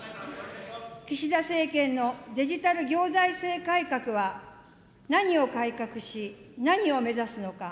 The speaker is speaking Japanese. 岸田政権のデジタル行財政改革は、何を改革し、何を目指すのか。